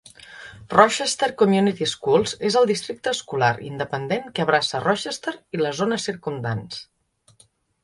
Rochester Community Schools es el districte escolar independent que abraça Rochester i les zones circumdants.